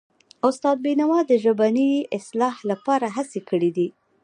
استاد بینوا د ژبني اصلاح لپاره هڅې کړی دي.